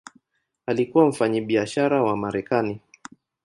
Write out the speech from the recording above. Alikuwa ni mfanyabiashara wa Marekani.